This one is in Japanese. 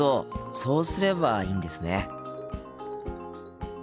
そうすればいいんですね。